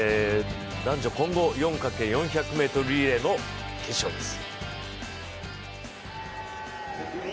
男女混合４×４００ｍリレー決勝です。